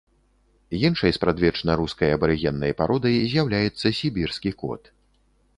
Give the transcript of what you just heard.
Іншай спрадвечна рускай абарыгеннай пародай з'яўляецца сібірскі кот.